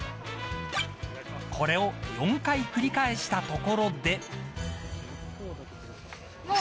これを４回繰り返したところで。